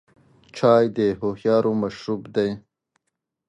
چای د هوښیارو مشروب دی.